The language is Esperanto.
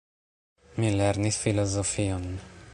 Mi lernis filozofion.